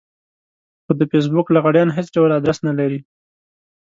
خو د فېسبوک لغړيان هېڅ ډول ادرس نه لري.